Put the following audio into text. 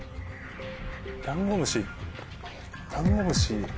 ダンゴムシダンゴムシ。